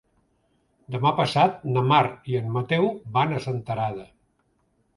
Demà passat na Mar i en Mateu van a Senterada.